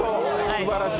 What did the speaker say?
すばらしい！